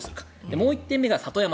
もう１個目は里山。